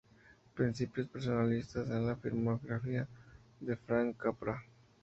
Principios personalistas en la filmografía de Frank Capra.